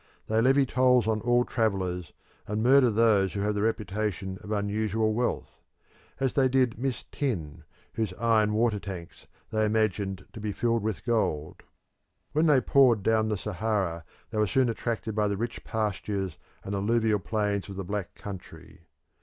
They levy tolls on all travellers, and murder those who have the reputation of unusual wealth as they did Miss Tinne, whose iron water tanks they imagined to be filled with gold. When they poured down on the Sahara they were soon attracted by the rich pastures and alluvial plains of the black country.